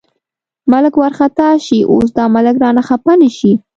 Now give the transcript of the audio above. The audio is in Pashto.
ملک وارخطا شي، اوس دا ملک رانه خپه نه شي.